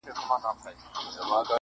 څوک حاجیان دي څوک پیران څوک عالمان دي.